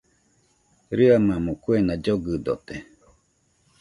Rɨamamo kuena llogɨdote